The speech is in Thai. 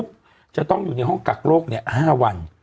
ปุ๊บจะต้องอยู่ในห้องกักโรคเนี่ย๕วัน